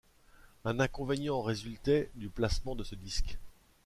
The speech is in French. Un inconvénient résultait du placement de ce disque.